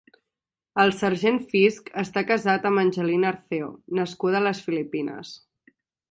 El Sergent Fisk està casat amb Angelina Arceo, nascuda a les Filipines.